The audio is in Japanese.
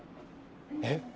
えっ？